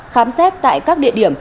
khám xét tại các địa điểm